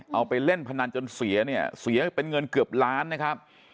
เอาไปเล่นพนันจนเสียเนี่ยเสียเป็นเงินเกือบล้านนะครับ